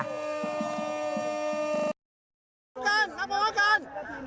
นับโพธิกันนับโพธิกัน